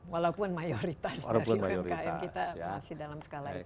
walaupun mayoritas dari umkm kita masih dalam skala itu